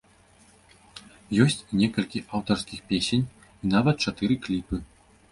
Ёсць і некалькі аўтарскіх песень і нават чатыры кліпы.